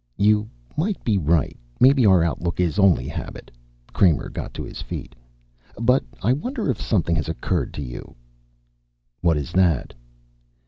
"You might be right. Maybe our outlook is only a habit." Kramer got to his feet. "But I wonder if something has occurred to you?" "What is that?"